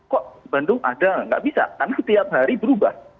kok bandung ada nggak bisa karena setiap hari berubah